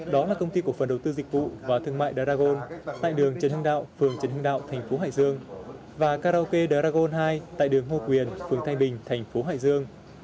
đó là công ty cổ phần đầu tư dịch vụ và thương mại daragon tại đường trần hưng đạo phường trần hưng đạo thành phố hải dương và karaoke deragon hai tại đường ngô quyền phường thanh bình thành phố hải dương